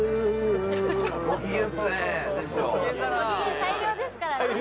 大漁ですからね。